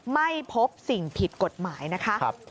ไม่พบสิ่งผิดกฎหมายนะคะ